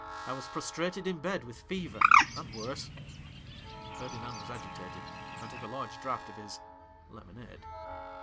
I was prostrated in bed with fever — and worse.' Ferdinand was agitated, and took a large draught of his lemonade.